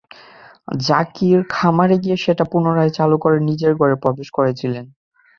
জাকির খামারে গিয়ে সেটি পুনরায় চালু করে নিজের ঘরে প্রবেশ করছিলেন।